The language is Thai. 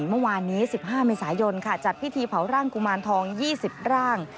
เมื่อวานนี้๑๕เมษายนจัดพิธีเผาร่างกุมารทอง๒๐ร่าง